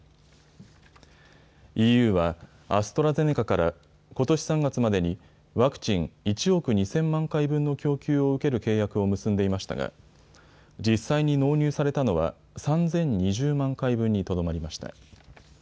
ＥＵはアストラゼネカからことし３月までにワクチン１億２０００万回分の供給を受ける契約を結んでいましたが実際に納入されたのは３０２０万回分にとどまりました。